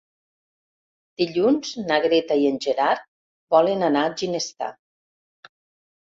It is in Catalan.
Dilluns na Greta i en Gerard volen anar a Ginestar.